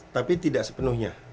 tapi tidak sepenuhnya